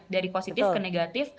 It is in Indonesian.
dari positif ke negatif